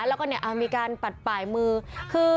แล้วก็หามีการปลาดปลายมือ